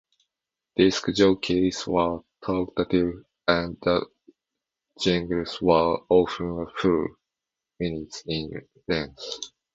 Disc jockeys were talkative and the jingles were often a full minute in length.